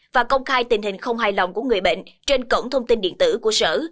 và công khai tình hình không hài lòng của người bệnh trên cổng thông tin điện tử của sở